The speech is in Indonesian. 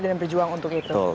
dan berjuang untuk itu